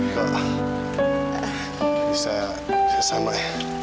pak bisa sama ya